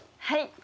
はい。